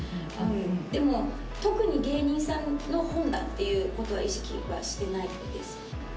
でも特に芸人さんの本だっていうことは意識はしてないです。